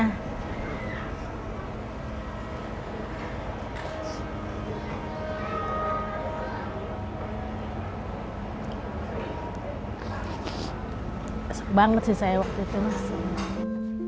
kesel banget sih saya waktu itu